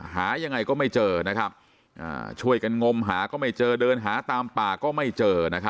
หายังไงก็ไม่เจอนะครับช่วยกันงมหาก็ไม่เจอเดินหาตามป่าก็ไม่เจอ